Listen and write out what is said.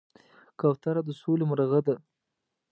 کوتره د سولې مرغه ده.